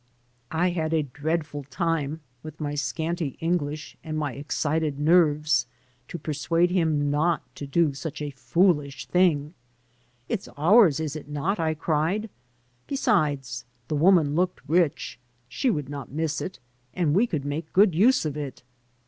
I had a dreadful time, with my scanty English and my excited nerves, to persuade him not to do such a foolish thing. "It's ours, is it not?" I cried. "Besides the woman looked rich; she would not miss it, and we could make good use of it."